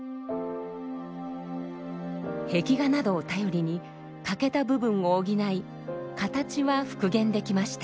壁画などを頼りに欠けた部分を補い形は復元できました。